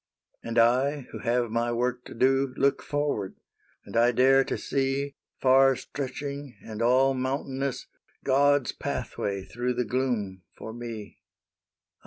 " And I, who have my work to do, Look forward ; and I dare to see, Far stretching and all mountainous, God's pathway through the gloom for me.